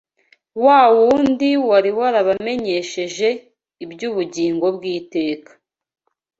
wa wundi wari warabamenyesheje iby’ubugingo bw’iteka